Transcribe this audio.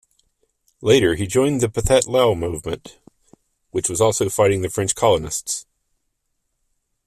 Later, he joined the Pathet Lao movement, which was also fighting the French colonialists.